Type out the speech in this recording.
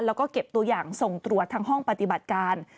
แล้วก็เก็บตัวอย่างส่งตรวจทางห้องปฏิบัติการ